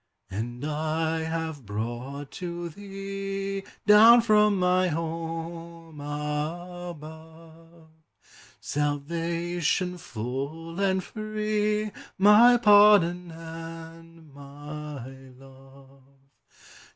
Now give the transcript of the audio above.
And I have brought to thee, Down from my home above, Salvation full and free, My pardon and my love.